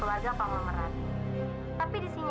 wah lihat kan